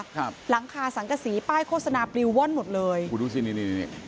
ครับหลังคาสังกะสีป้ายโฆษณาบริวว่อนหมดเลยโอ้โหดูสินี่นี่นี่